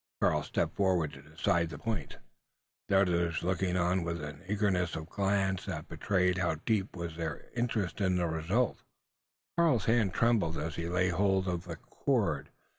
Karl stepped forward to decide the point the others looking on with an eagerness of glance, that betrayed how deep was their interest in the result. Karl's hand trembled as he laid hold of the cord.